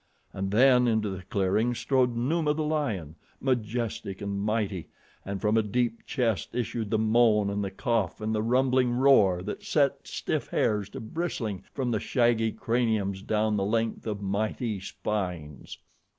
And then into the clearing strode Numa, the lion majestic and mighty, and from a deep chest issued the moan and the cough and the rumbling roar that set stiff hairs to bristling from shaggy craniums down the length of mighty spines.